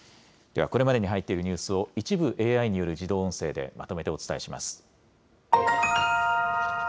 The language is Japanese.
では、これまでに入っているニュースを、一部ＡＩによる自動音声でまとめてお伝えします。